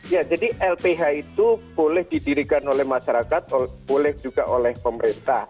ya jadi lph itu boleh didirikan oleh masyarakat boleh juga oleh pemerintah